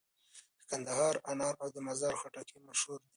د کندهار انار او د مزار خټکي مشهور دي.